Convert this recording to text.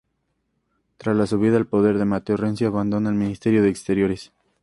Tras la subida al poder de Matteo Renzi abandona el Ministerio de Exteriores.